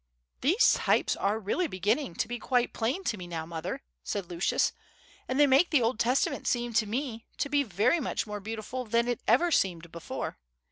"These types are really beginning to be quite plain to me now, mother," said Lucius, "and they make the Old Testament seem to me to be very much more beautiful than it ever seemed before.